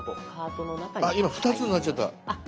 あっ今２つになっちゃった！